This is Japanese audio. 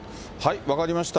分かりました。